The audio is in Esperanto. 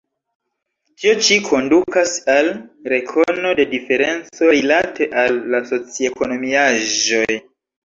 Tio ĉi kondukas al rekono de diferenco rilate al la soci-ekonomiaĵoj.